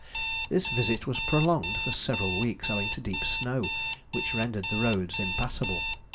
This visit was prolonged for several weeks owing to the deep snow, which rendered the roads impassable.